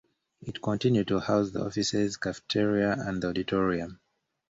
It continued to house the offices, cafeteria, and an auditorium.